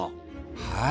はい。